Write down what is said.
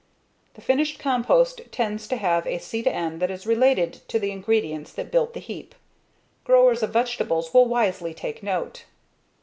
The finished compost tends to have a C/N that is related to the ingredients that built the heap. Growers of vegetables will wisely take note.